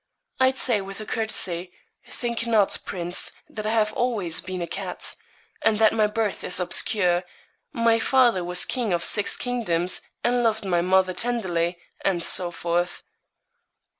I'd say with a courtesy "Think not, prince, that I have always been a cat, and that my birth is obscure; my father was king of six kingdoms, and loved my mother tenderly," and so forth.'